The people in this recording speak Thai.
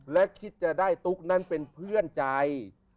และคิดจะได้ตุ๊กนั้นเป็นเพื่อนใจ